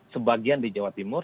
sebagian di jawa timur